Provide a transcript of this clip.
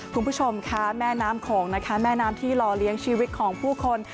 คุณผู้ชมค่ะแม่น้ำโขงนะคะแม่น้ำที่หล่อเลี้ยงชีวิตของผู้คน